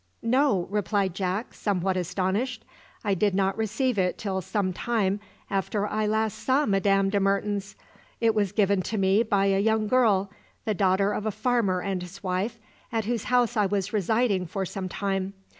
"No," replied Jack, somewhat astonished; "I did not receive it till some time after I last saw Madame de Mertens. It was given to me by a young girl, the daughter of a farmer and his wife, at whose house I was residing for some time.